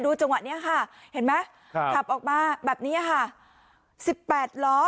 จังหวะนี้ค่ะเห็นไหมขับออกมาแบบนี้ค่ะสิบแปดล้อ